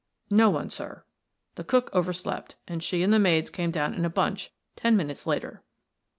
"No one, sir; the cook over slept, and she and the maids came down in a bunch ten minutes later."